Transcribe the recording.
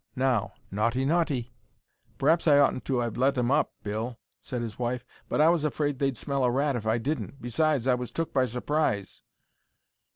now! Naughty! Naughty!" "P'r'aps I oughtn't to 'ave let 'em up, Bill," said his wife; "but I was afraid they'd smell a rat if I didn't. Besides, I was took by surprise."